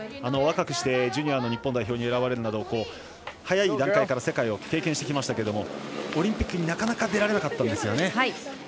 若くして、ジュニアの日本代表に選ばれるなど早い段階から世界を経験してきましたがオリンピックになかなか出られなかったんですよね。